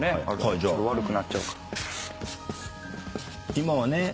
今はね